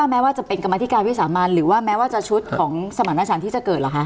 แม้ว่าจะเป็นกรรมธิการวิสามันหรือว่าแม้ว่าจะชุดของสมรรถฉันที่จะเกิดเหรอคะ